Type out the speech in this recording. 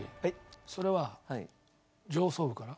それは上層部から？